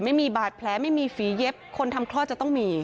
ไม่มีบาดแผลไม่มีฝีเย็บคนทำคลอดจะต้องมี